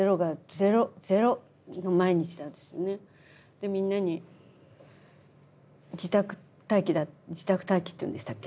でみんなに自宅待機だ自宅待機っていうんでしたっけ？